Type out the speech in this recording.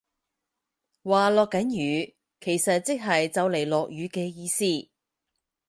話落緊雨其實即係就嚟落雨嘅意思